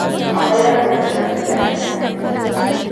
Akwai rabin kwalbar giya cikin firji.